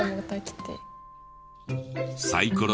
サイコロ